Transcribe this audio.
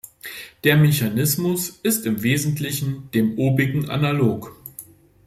Der Mechanismus ist im Wesentlichen dem obigen analog.